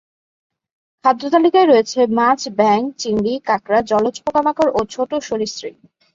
খাদ্যতালিকায় রয়েছে মাছ, ব্যাঙ, চিংড়ি, কাঁকড়া, জলজ পোকামাকড় ও ছোট সরীসৃপ।